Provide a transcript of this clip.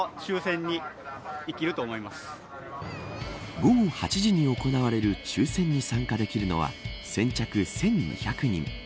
午後８時に行われる抽選に参加できるのは先着１２００人。